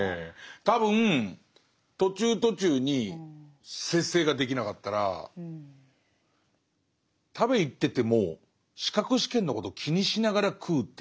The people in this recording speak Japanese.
多分途中途中に節制ができなかったら食べに行ってても資格試験のことを気にしながら食うっていう